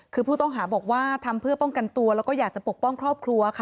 คือผู้ต้องหาบอกว่าทำเพื่อป้องกันตัวแล้วก็อยากจะปกป้องครอบครัวค่ะ